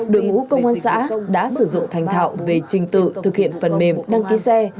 đội ngũ công an xã đã sử dụng thành thạo về trình tự thực hiện phần mềm đăng ký xe